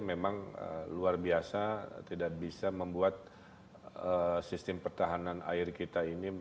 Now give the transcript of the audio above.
memang luar biasa tidak bisa membuat sistem pertahanan air kita ini